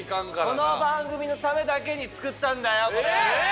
この番組のためだけに作ったんだよこれ。